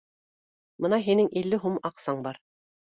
Бына һинең илле һум аҡсаң бар